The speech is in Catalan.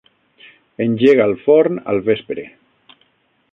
Engega el forn al vespre.